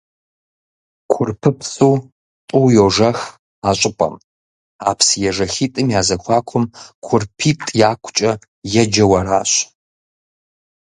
Курпыпсу тӀу йожэх а щӀыпӀэм, а псыежэхитӀым я зэхуакум «КурпитӀ якукӀэ» еджэу аращ.